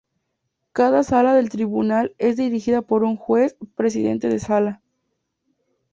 Cada sala del tribunal es dirigida por un juez presidente de sala.